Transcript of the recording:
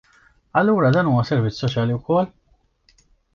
Allura dan huwa servizz soċjali wkoll?